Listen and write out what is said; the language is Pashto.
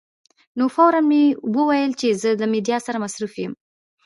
نو فوراً مې وویل چې زه له میډیا سره مصروف یم.